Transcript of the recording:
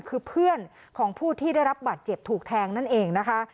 คือเพื่อนของผู้ที่ได้รับบาดเจ็บถูกแทงนั่นเองนะคะ